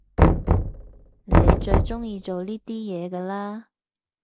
你最中意做呢啲嘢㗎啦？